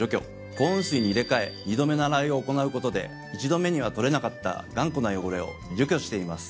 高温水に入れ替え２度目の洗いを行うことで１度目には取れなかった頑固な汚れを除去しています。